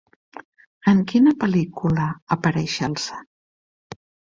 En quina pel·lícula apareix Elsa?